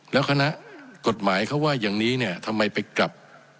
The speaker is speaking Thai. แล้วคณะกฎหมายเขาว่าอย่างนี้เนี่ยทำไมไปกลับ